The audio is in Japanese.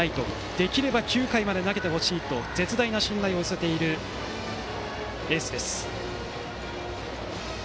できれば９回まで投げてほしいと絶大な信頼を寄せるエースです。